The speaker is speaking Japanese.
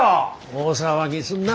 大騒ぎすんな。